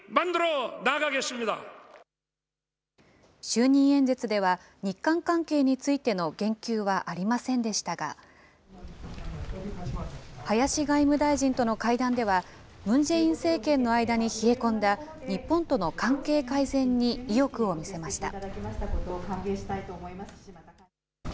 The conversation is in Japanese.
就任演説では、日韓関係についての言及はありませんでしたが、林外務大臣との会談では、ムン・ジェイン政権の間に冷え込んだ日本との関係改善に意欲を見せました。